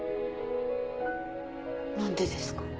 何でですか？